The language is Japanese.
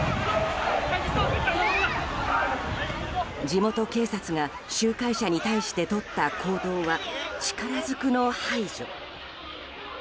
地元警察が集会者に対してとった行動は力ずくの排除。